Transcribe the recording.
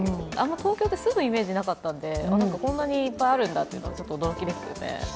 東京って住むイメージなかったんでこんなにいっぱいあるんだというのは、ちょっと驚きですよね。